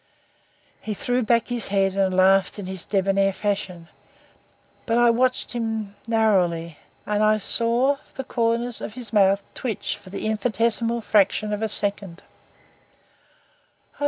He threw back his head and laughed in his debonair fashion; but I watched him narrowly and I saw the corners of his mouth twitch for the infinitesimal fraction of a second.